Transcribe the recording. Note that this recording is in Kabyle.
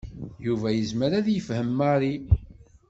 Yuba yezmer ad yefhem Mary.